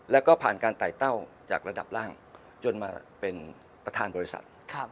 แล้วก็ผ่านการไต่เต้าจากระดับล่างจนมาเป็นประธานบริษัท